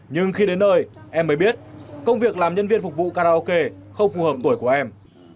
nhưng khi đến nơi em mới biết công việc làm nhân viên phục vụ karaoke không phù hợp tuổi của em